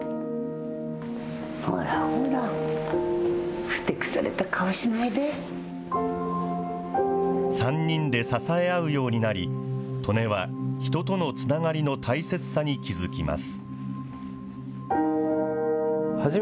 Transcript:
ほら、ほら、３人で支え合うようになり、利根は、人とのつながりの大切さに気付きます。